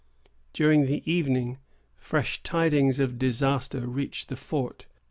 During the evening, fresh tidings of disaster reached the fort.